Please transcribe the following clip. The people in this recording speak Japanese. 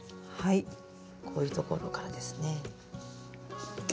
こういうところからですね。